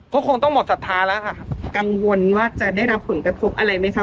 ก็คงต้องหมดศรัทธาแล้วค่ะกังวลว่าจะได้รับผลกระทบอะไรไหมคะ